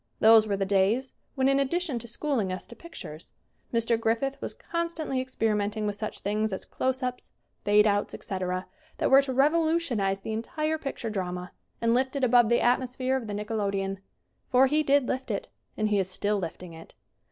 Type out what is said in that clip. Those were the days when in addition to schooling us to pictures Mr. Griffith was con stantly experimenting with such things as close ups, fade outs, etc., that were to revolu tionize the entire picture drama and lift it above the atmosphere of the nickelodeon. For he did lift it. And he is still lifting it.